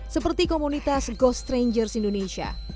seperti komunitas ghost strangers indonesia